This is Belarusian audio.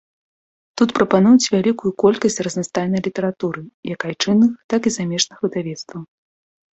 Тут прапануюць вялікую колькасць разнастайнай літаратуры як айчынных, так і замежных выдавецтваў.